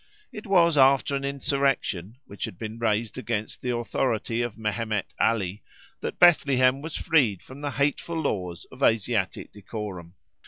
It was after an insurrection, which had been raised against the authority of Mehemet Ali, that Bethlehem was freed from the hateful laws of Asiatic decorum.